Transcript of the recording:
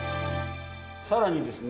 さらにですね